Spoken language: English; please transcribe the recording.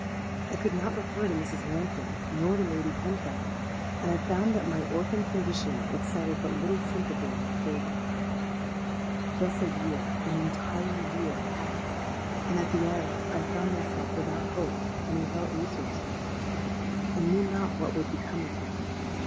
I could not refer to Mrs. Lambkin, nor to Lady Penfeather; and I found that my orphan condition excited but little sympathy in my favour. Thus a year—an entire year—passed; and at the end, I found myself without hope, and without resources. I knew not what would become of me.